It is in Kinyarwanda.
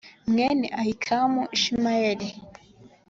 mwene ahikamu ishimayeli